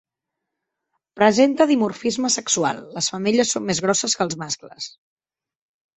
Presenta dimorfisme sexual: les femelles són més grosses que els mascles.